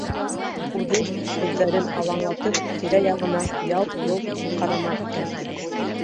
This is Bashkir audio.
Үҙе, күҙҙәрен алаңлатып, тирә-яғына ялт-йолт ҡарана икән.